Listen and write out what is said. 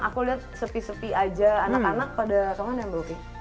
aku lihat sepi sepi aja anak anak pada kapan ya mbak oki